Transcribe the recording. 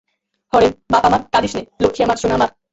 Horn, বাপ আমার, কাঁদিস নে, লক্ষ্মী আমার, সোনা আমার।